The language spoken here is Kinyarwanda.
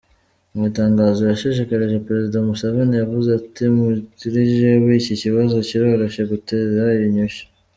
Mw'itangazo yashikirije, perezida Museveni yavuze ati:"Kuri jewe iki kibazo kiroroshe gutorera inyishu.